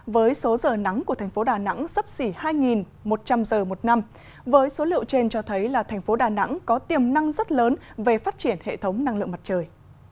với số giờ nắng của thành phố đà nẵng sắp xỉ hai một trăm linh giờ một năm với số liệu trên cho thấy là thành phố đà nẵng có tiềm năng rất lớn về phát triển hệ thống năng lượng mặt trời